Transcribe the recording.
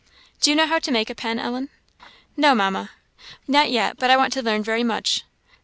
"Do you know how to make a pen, Ellen?" "No, Mamma, not yet; but I want to learn very much.